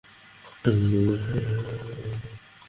মনে হল তোমাকে দেখলাম।